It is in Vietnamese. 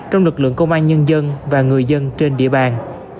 học lượng công an nhân dân và người dân trên địa bàn